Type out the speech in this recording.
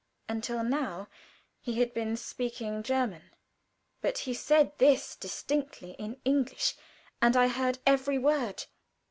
Until now he had been speaking German, but he said this distinctly in English and I heard every word.